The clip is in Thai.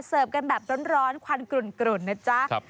เสิร์ฟกันแบบร้อนควันกลุ่นนะจ๊ะ